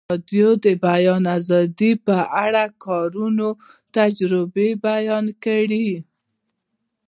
ازادي راډیو د د بیان آزادي په اړه د کارګرانو تجربې بیان کړي.